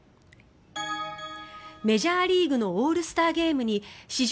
メジャーリーグのオールスターゲームに史上